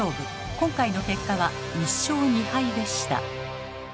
今回の結果は１勝２敗でした。